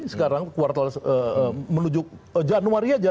sekarang kuartal menuju januari aja